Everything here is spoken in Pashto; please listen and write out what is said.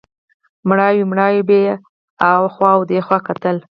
مړاوی مړاوی به یې هخوا او دېخوا کتل.